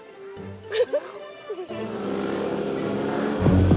oh hujan begini